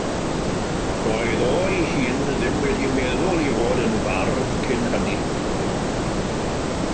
Doedd o ei hun ddim wedi meddwl i fod yn fardd cyn hynny.